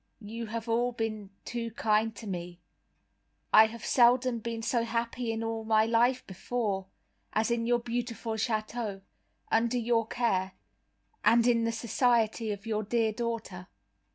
"You have all been too kind to me; I have seldom been so happy in all my life before, as in your beautiful chateau, under your care, and in the society of your dear daughter."